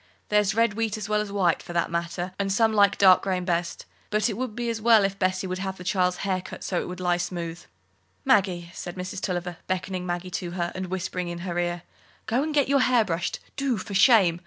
There's red wheat as well as white, for that matter, and some like the dark grain best. But it would be as well if Bessie would have the child's hair cut so it would lie smooth." "Maggie," said Mrs. Tulliver, beckoning Maggie to her, and whispering in her ear, "go and get your hair brushed, do, for shame!